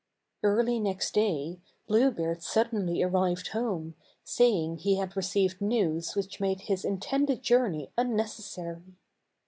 Early next day, Blue Beard suddenly arrived home, say ing he had received news which made his intended journey unnecessary.